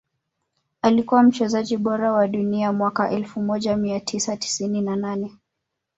Alikuwa mchezaji bora wa dunia mwaka elfu moja mia tisa tisini na nane